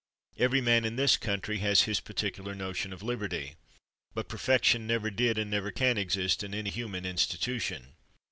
Every man in this country has his particular notion of liberty; but perfection never did and never can exist in any human in stitution.